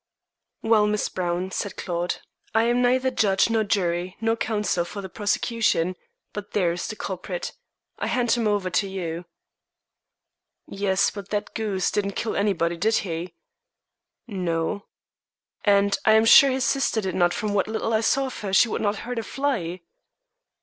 "Well, Miss Browne," said Claude, "I am neither judge nor jury nor counsel for the prosecution, but there is the culprit. I hand him over to you." "Yes; but that goose didn't kill anybody, did he?" "No." "And I am sure his sister did not; from what little I saw of her she would not hurt a fly."